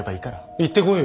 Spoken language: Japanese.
行ってこいよ。